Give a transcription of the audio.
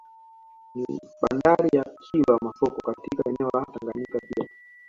Ni bandari ya Kilwa Masoko katika eneo la Tanganyika pia